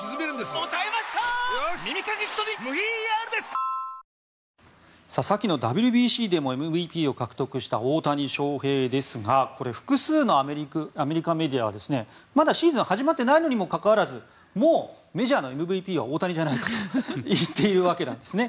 東京海上日動先のＷＢＣでもＭＶＰを獲得した大谷翔平ですがこれ、複数のアメリカメディアはまだシーズン始まってないにもかかわらずもうメジャーのＭＶＰは大谷じゃないかと言っているわけなんですね。